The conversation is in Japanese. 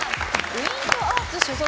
ウイントアーツ所属。